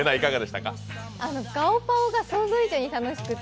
ガオパオが想像以上に楽しくて。